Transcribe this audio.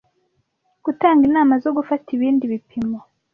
Gutanga inama zo gufata ibindi bipimo